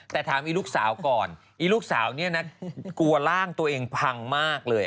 แต่ถามอีลูกสาวก่อนอีลูกสาวเนี่ยนะกลัวร่างตัวเองพังมากเลย